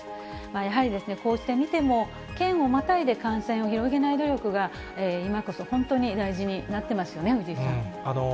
やはりこうして見ても、県をまたいで感染を広げない努力が、今こそ本当に大事になってますよね、藤井さん。